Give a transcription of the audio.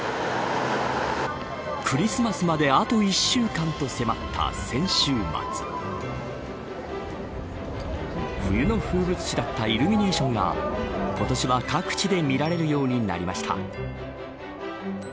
クリスマスまであと１週間と迫った先週末冬の風物詩だったイルミネーションが今年は各地で見られるようになりました。